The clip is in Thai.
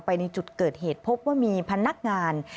ในจุดเกิดเหตุพบว่ามีพนักงาน